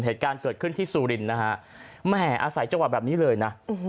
เหตุการณ์เกิดขึ้นที่สุรินนะฮะแหมอาศัยจังหวะแบบนี้เลยนะ